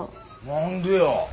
何でや。